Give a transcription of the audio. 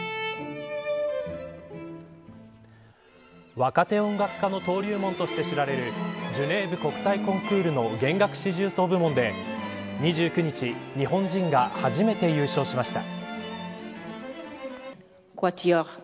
若手音楽家の登竜門として知られるジュネーブ国際コンクールの弦楽四重奏部門で２９日、日本人が初めて優勝しました。